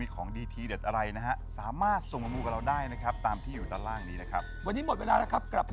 ขอบพระคุณพี่เปี๊ยกครับ